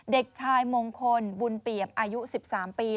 เด็กชายมงคลบุญเปี่ยมอายุ๑๓ปี